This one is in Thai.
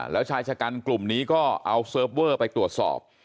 แล้วชายชะกันกลุ่มนี้ก็เอาเซิร์ฟเวอร์ไปตรวจสอบ